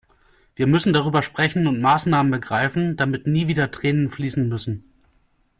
Wir müssen darüber sprechen und Maßnahmen ergreifen, damit nie wieder Tränen fließen müssen.